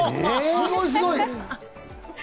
すごいすごい。